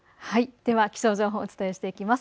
では気象情報をお伝えしていきます。